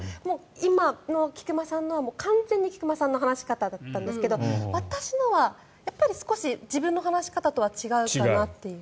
今の菊間さんのは完全に菊間さんの話し方だったんですけど私のはやっぱり少し自分の話し方とは違うかなという。